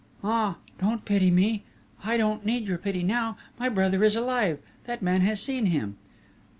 "Ah! Don't pity me! I don't need your pity now!... My brother is alive!... That man has seen him!"